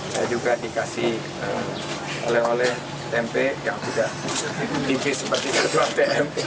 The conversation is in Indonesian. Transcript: saya juga dikasih oleh oleh tempe yang sudah tipis seperti itu atm